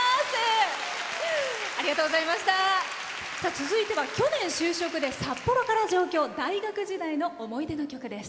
続いては去年、就職で札幌から上京、大学時代の思い出の曲です。